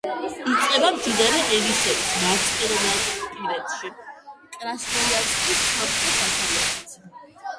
იწყება მდინარე ენისეის მარცხენანაპირეთში, კრასნოიარსკის სამხრეთ-დასავლეთით.